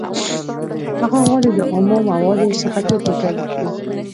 هغه غواړي له اومو موادو څخه توکي تولید کړي